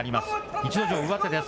逸ノ城、上手です。